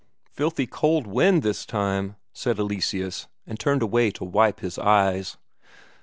"Filthy cold wind this time," said Eleseus, and turned away to wipe his eyes.